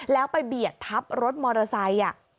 แล้วไปเบียดทับรถมอเตอร์ไซค์